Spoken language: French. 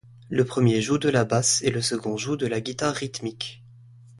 Le premier joue de la basse et le second joue de la guitare rythmique.